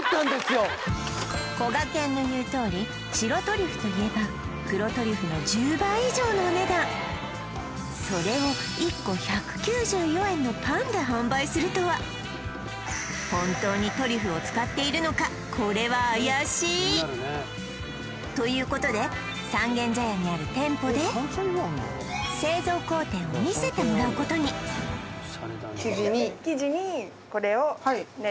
よこがけんの言うとおり白トリュフといえば黒トリュフの１０倍以上のお値段それを１個１９４円のパンで販売するとはこれはあやしいということで三軒茶屋にある店舗で製造工程を見せてもらうことにどれだ？